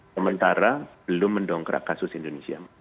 sementara belum mendongkrak kasus indonesia